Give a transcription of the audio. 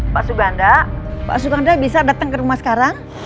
pak suganda pak suganda bisa datang ke rumah sekarang